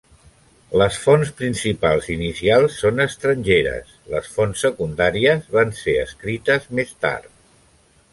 Les fonts principals inicials són estrangeres; les fonts secundàries van ser escrites més tard.